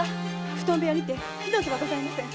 布団部屋にて火の気はございません。